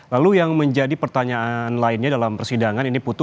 lalu yang menjadi pertanyaan lainnya dalam persidangan ini putu